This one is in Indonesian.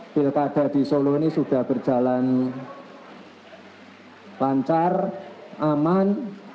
pilkada di solo ini sudah berjalan lancar aman